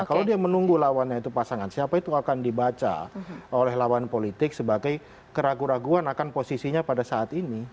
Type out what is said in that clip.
kalau dia menunggu lawannya itu pasangan siapa itu akan dibaca oleh lawan politik sebagai keraguan keraguan akan posisinya pada saat ini